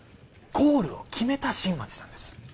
ゴールを決めた新町さんです